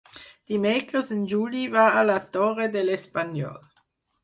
Dimecres en Juli va a la Torre de l'Espanyol.